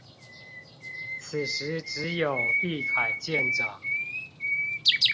此時只有畢凱艦長